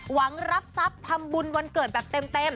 หวังรับทรัพย์ทำบุญวันเกิดแบบเต็ม